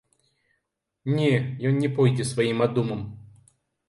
Не, ён не пойдзе сваім адумам.